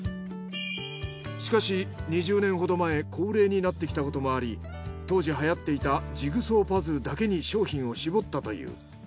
しかし２０年ほど前高齢になってきたこともあり当時流行っていたジグソーパズルだけに商品を絞ったという。